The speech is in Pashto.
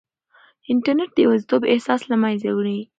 انټرنیټ د یوازیتوب احساس له منځه وړي.